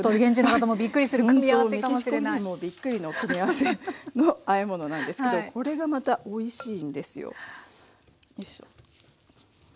ほんとメキシコ人もびっくりの組み合わせのあえ物なんですけどこれがまたおいしいんですよ。